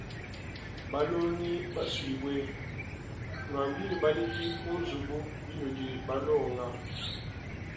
Balongi basuibwe, nwambile baledi kunzubu binudi balonga.